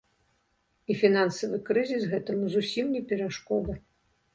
І фінансавы крызіс гэтаму зусім не перашкода.